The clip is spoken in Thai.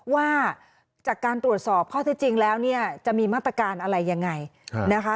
ว่าจากการตรวจสอบข้อเท็จจริงแล้วเนี่ยจะมีมาตรการอะไรยังไงนะคะ